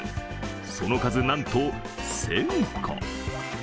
その数、なんと１０００個。